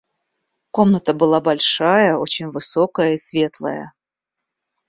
Комната была большая, очень высокая и светлая.